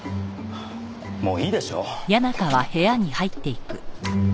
もういいでしょう？